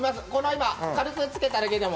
今、軽くつけただけでも。